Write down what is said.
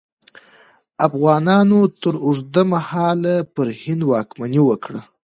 افغانانو تر اوږده مهال پر هند واکمني وکړه.